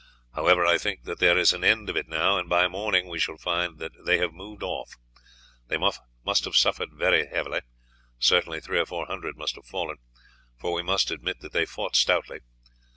However, I think that there is an end of it now, and by the morning we shall find that they have moved off. They must have suffered very heavily; certainly three or four hundred must have fallen, for we must admit that they fought stoutly.